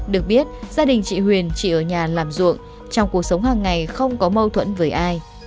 được biết gia đình chị huyền chỉ ở nhà làm ruộng trong cuộc sống hàng ngày không có mâu thuẫn với ai